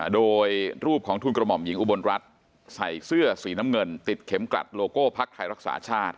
โดยรูปของทุนกระหม่อมหญิงอุบลรัฐใส่เสื้อสีน้ำเงินติดเข็มกลัดโลโก้พักไทยรักษาชาติ